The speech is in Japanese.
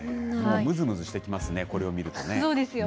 むずむずしてきますね、これを見るとね。